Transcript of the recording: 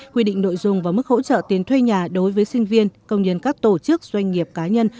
quy định nội dung và mức hỗ trợ tiền thuê nhà đối với sinh viên công nhân các tổ chức doanh nghiệp cá nhân